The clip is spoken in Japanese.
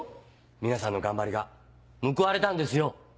皆さんの頑張りが報われたんですよ！